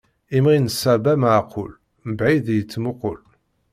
Imɣi n ṣṣaba maɛqul, mbaɛid i d-yettmuqul.